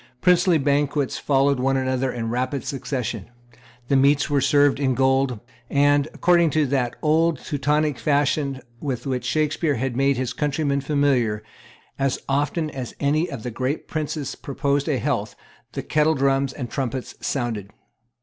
Princely banquets followed one another in rapid succession. The meats were served in gold; and, according to that old Teutonic fashion with which Shakspeare had made his countrymen familiar, as often as any of the great princes proposed a health, the kettle drums and trumpets sounded.